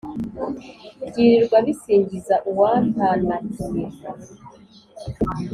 Byirirwa bisingiza uwantanagiye.